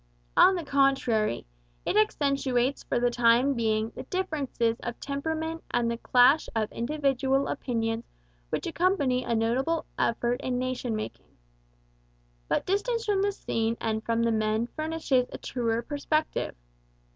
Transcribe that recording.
On the contrary, it accentuates for the time being the differences of temperament and the clash of individual opinions which accompany a notable effort in nation making. But distance from the scene and from the men furnishes a truer perspective.